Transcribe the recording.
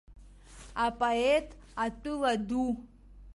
Апоет атәыла ду.